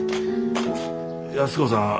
安子さん